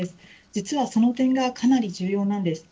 実はその点がかなり重要なんです。